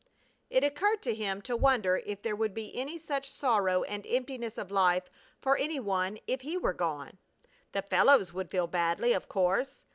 It occurred to him to wonder if there would be any such sorrow and emptiness of life for any one if he were gone. The fellows would feel badly, of course.